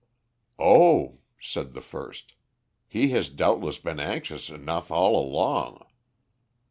"Oh," said the first, "he has doubtless been anxious enough all along."